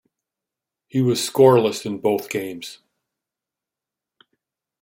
He was scoreless in both games.